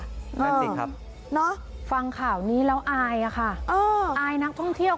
นั่นสิครับฟังข่าวนี้แล้วอายอะค่ะอายนักท่องเที่ยว